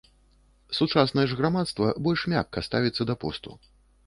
Сучаснае ж грамадства больш мякка ставіцца да посту.